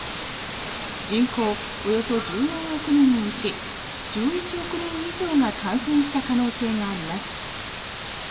人口およそ１４億人のうち１１億人以上が感染した可能性があります。